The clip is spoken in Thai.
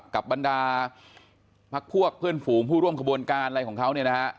กับบรรดาพักพวกเพื่อนฝูงผู้ร่วมขบวนการอะไรของเขา